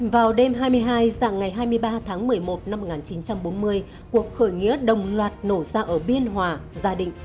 vào đêm hai mươi hai dạng ngày hai mươi ba tháng một mươi một năm một nghìn chín trăm bốn mươi cuộc khởi nghĩa đồng loạt nổ ra ở biên hòa gia định